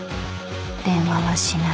電話はしない